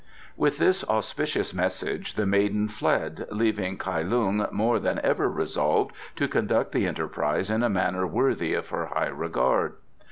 With this auspicious message the maiden fled, leaving Kai Lung more than ever resolved to conduct the enterprise in a manner worthy of her high regard.